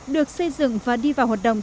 được xây dựng và đi vào hoạt động